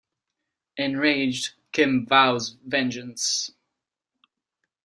Enraged, Kim vows vengeance.